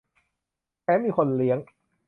แถมมีคนเลี้ยง